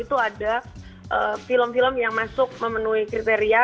itu ada film film yang masuk memenuhi kriteria